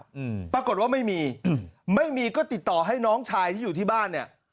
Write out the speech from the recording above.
อืมปรากฏว่าไม่มีอืมไม่มีก็ติดต่อให้น้องชายที่อยู่ที่บ้านเนี้ย